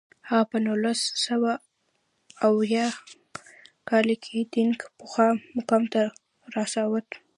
هغه په نولس سوه اووه اویا کال کې دینګ پخوا مقام ته راوست.